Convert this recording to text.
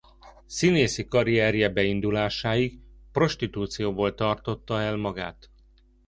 Színészi karrierje beindulásáig prostitúcióból tartotta el magát.